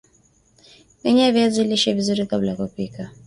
menya viazi lishe vizuri kabla ya kupika